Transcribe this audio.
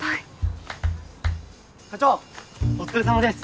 ・社長お疲れさまです。